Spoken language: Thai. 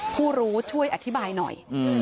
ผู้รู้ช่วยอธิบายหน่อย